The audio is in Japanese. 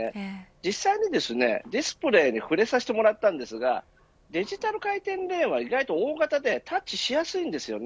実際にディスプレーに触れさせてもらったんですがデジタル回転レーンは意外と大型で、タッチしやすいんです。